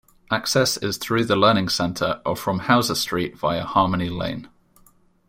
Access is through the Learning Center or from Houser Street via Harmony Lane.